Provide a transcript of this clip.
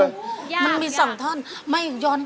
แม่หายเค้าร้องไม่มีขาดเนื้อเลยนะ